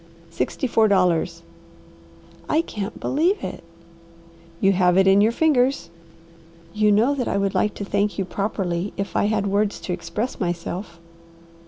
"Sixty four dollars." "I can't believe it." "You have it in your fingers." "You know that I would like to thank you properly, if I had words to express myself."